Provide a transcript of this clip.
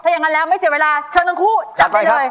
อย่างนั้นแล้วไม่เสียเวลาเชิญทั้งคู่จับได้เลย